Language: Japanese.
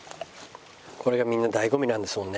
これがみんな醍醐味なんですもんね。